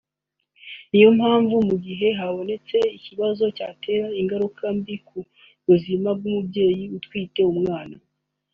ni yo mpamvu mu gihe habonetse ikibazo cyatera ingaruka mbi ku buzima bw’umubyeyi utwite n’umwana